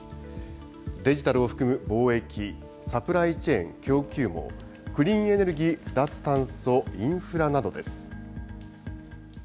デジタルを含む貿易、サプライチェーン・供給網、クリーンエネルギー、脱炭素、インフラなどです。